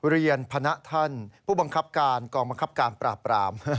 เรียนพนักท่านผู้บังกับการกองบังกับการปราบ